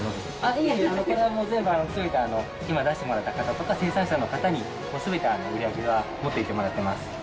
いえいえ、これはもうすべて、今出してもらった方とか、生産者の方に、すべて売り上げは持っていってもらってます。